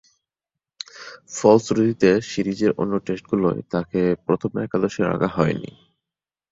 ফলশ্রুতিতে সিরিজের অন্য টেস্টগুলোয় তাকে প্রথম একাদশে রাখা হয়নি।